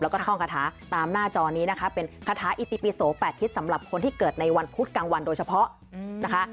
แล้วก็ท่องคาถาตามหน้าจอนี้นะคะเป็นคาถาอิติปิโส๘ทิศสำหรับคนที่เกิดในวันพุธกลางวันโดยเฉพาะนะคะ